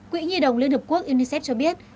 quỹ nhi đồng liên hợp quốc unicef cho biết